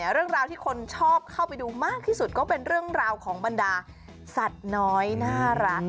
เรื่องราวที่คนชอบเข้าไปดูมากที่สุดก็เป็นเรื่องราวของบรรดาสัตว์น้อยน่ารัก